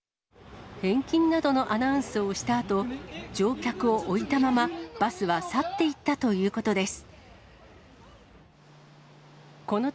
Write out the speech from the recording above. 返金などのアナウンスをしたあと、乗客を置いたまま、バスは去っていったということです。